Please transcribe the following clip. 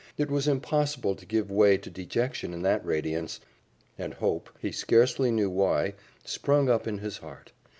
It was impossible to give way to dejection in that radiance, and hope, he scarcely knew why, sprung up in his heart.